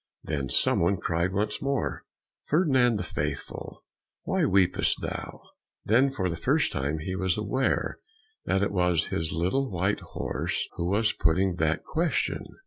Then some one cried once more, "Ferdinand the Faithful, why weepest thou?" Then for the first time he was aware that it was his little white horse who was putting that question.